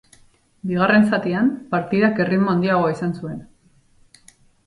Bigarren zatian, partidak erritmo handiagoa izan zuen.